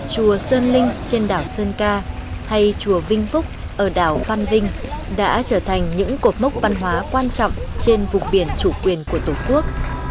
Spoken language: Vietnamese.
chùa sơn linh trên đảo sơn ca hay chùa vinh phúc ở đảo văn vinh đã trở thành những cột mốc văn hóa quan trọng trên vùng biển chủ quyền của tổ quốc